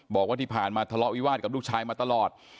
บอกว่าที่ผ่านมาทะเลาะวิวาสกับลูกชายมาตลอด